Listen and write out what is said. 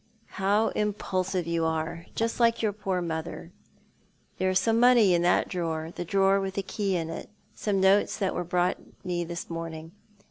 " How impulsive you are — ^just like your poor mother. There is some money in that drawer — the drawer with the key in it — some notes that were brought me this morning.